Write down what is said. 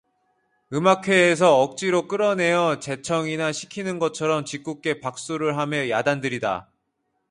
음악회에서 억지로 끌어내어 재청이나 시키는 것처럼 짓궂게 박수를 하며 야단들이다.